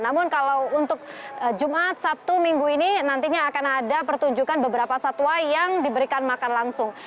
namun kalau untuk jumat sabtu minggu ini nantinya akan ada pertunjukan beberapa satwa yang diberikan makan langsung